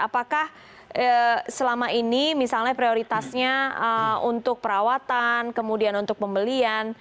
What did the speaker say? apakah selama ini misalnya prioritasnya untuk perawatan kemudian untuk pembelian